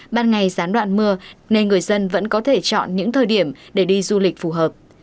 ban ngày gián đoạn mưa nên người dân vẫn có thể chọn những thời điểm để đi du lịch phù hợp